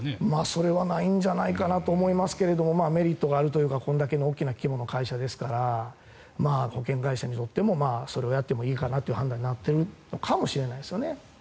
それはないんじゃないかと思いますけどメリットがあるというのがこんだけの規模の会社ですから保険会社もそれをやってもいいのかなという判断になっているのかもしれないですね。